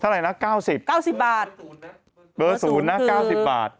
เท่าไหร่นะ๙๐บาทเบอร์ศูนย์นะ๙๐บาท